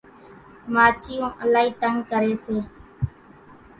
ماڇِيوُن الائِي تنڳ ڪريَ سي۔